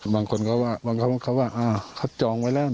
บางคนเขาจะบอกอ่าเขาจองไว้แล้ว